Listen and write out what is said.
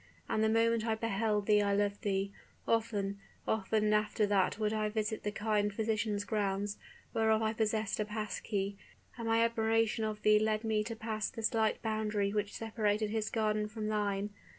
And the moment I beheld I loved thee. Often often after that would I visit the kind physician's grounds, whereof I possessed a pass key; and my admiration of thee led me to pass the slight boundary which separated his garden from thine.